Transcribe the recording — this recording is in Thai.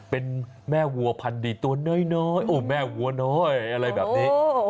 เป็นแม่วัวพันดีตัวน้อยโอ้แม่วัวน้อยอะไรแบบนี้